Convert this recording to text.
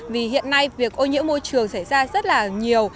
vì hiện nay việc ô nhiễm môi trường xảy ra rất là nhiều